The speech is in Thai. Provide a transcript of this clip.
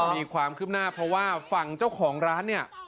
มีความคืบหน้าเพราะว่าฝั่งเจ้าของร้านเนี่ย